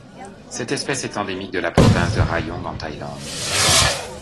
Cette espèce est endémique de la province de Rayong en Thaïlande.